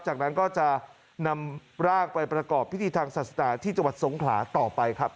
จากนั้นก็จะนำร่างไปประกอบพิธีทางศาสนาที่จังหวัดสงขลาต่อไปครับ